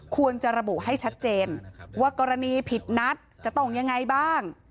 ควรจะระบุให้ชัดเจนว่ากรณีผิดนัดจะต้องยังไงบ้าง